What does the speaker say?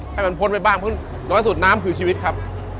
ให้มันพ้นไปบ้างเพราะน้อยสุดน้ำคือชีวิตครับ